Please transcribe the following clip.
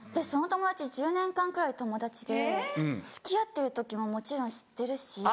その友達１０年間くらい友達で付き合ってる時ももちろん知ってるし。